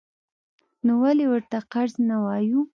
نو ولې ورته فرض نه وایو؟